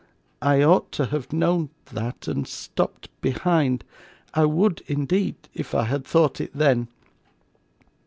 I ought to have known that, and stopped behind I would, indeed, if I had thought it then.